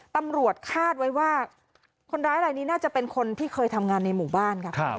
ตำรวจคาดไว้ว่าคนร้ายรายนี้น่าจะเป็นคนที่เคยทำงานในหมู่บ้านค่ะ